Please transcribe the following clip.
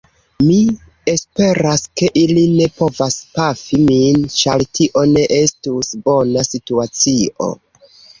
Mi esperas, ke ili ne povas pafi min, ĉar tio ne estus bona situacio.